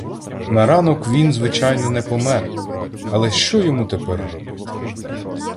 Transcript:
На ранок він, звичайно, не помер, але що йому тепер робити?